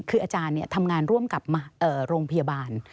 คืออาจารย์ทำงานร่วมกับโรงพยาบาล